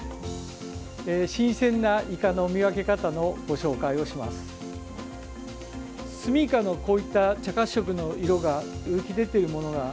新鮮なイカの見分け方のご紹介をします。